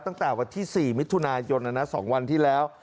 ตั้งแต่วันที่๔มิถุนายน๒วันที่แล้ว